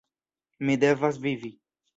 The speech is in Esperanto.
Mi devas vivi!